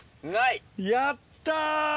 やった。